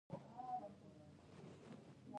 مرغومی د ژمي سړه میاشت ده، او خلک اور ته ناست وي.